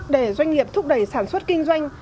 để doanh nghiệp thúc đẩy sản xuất kinh doanh